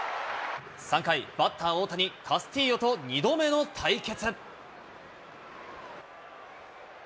３回、バッター・大谷、カスティーヨと２度目の対決。